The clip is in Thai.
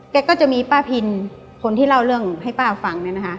แกก็จะมีป้าพินคนที่เล่าเรื่องให้ป้าฟัง